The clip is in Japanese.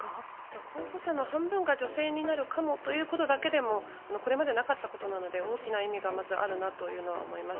候補者の半分が女性になるかもということだけでもこれまでなかったことなので大きな意味があるなと思います。